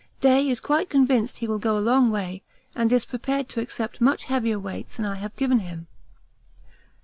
Day is quite convinced he will go a long way and is prepared to accept much heavier weights than I have given him.